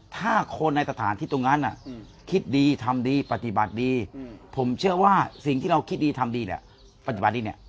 ถ้าคนในสถานที่ตรงนั้นคิดดีทำดีปฏิบัติดีผมเชื่อว่าสิ่งที่เราคิดดีทำดีเนี่ยปฏิบัติดีเนี่ย